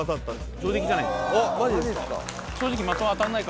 上出来じゃないですか。